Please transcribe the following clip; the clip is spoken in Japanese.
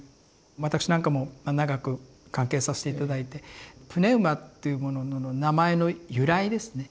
私なんかも長く関係させて頂いて「風」っていうものの名前の由来ですね。